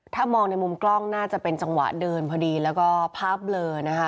ถ้ามองในมุมกล้องน่าจะเป็นจังหวะเดินพอดีแล้วก็ภาพเบลอนะคะ